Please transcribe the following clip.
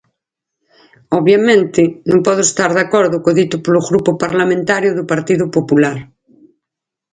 Obviamente, non podo estar de acordo co dito polo Grupo Parlamentario do Partido Popular.